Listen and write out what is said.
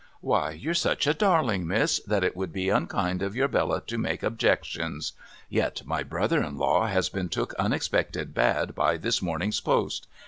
' AVhy, you're such a darling, Miss, that it would be unkind of your Bella to make objections. Yet my brother in law has been took unexpected bad by this morning's post.